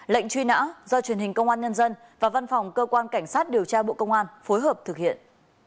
lệnh truy nã do truyền hình công an nhân dân và văn phòng cơ quan cảnh sát điều tra bộ công an phối hợp thực hiện